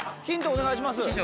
ヒントお願いします。